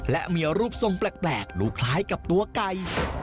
และมีรูปทรงแปลกดูคล้ายกับตัวไก่